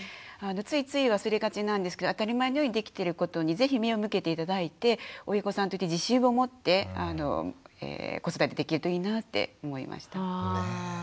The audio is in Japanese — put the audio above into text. ついつい忘れがちなんですけど当たり前のようにできていることに是非目を向けて頂いて親御さんとして自信を持って子育てできるといいなって思いました。